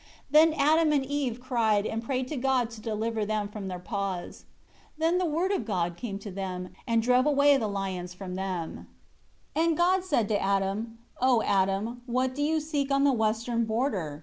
2 Then Adam and Eve cried, and prayed God to deliver them from their paws. 3 Then the Word of God came to them, and drove away the lions from them. 4 And God said to Adam, "O Adam, what do you seek on the western border?